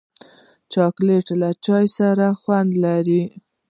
چاکلېټ له چای سره خوند لري.